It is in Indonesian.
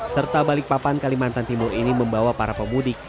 serta balikpapan kalimantan timur ini membawa para pemudik